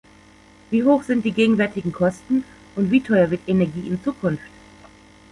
Wie hoch sind die gegenwärtigen Kosten und wie teuer wird Energie in Zukunft?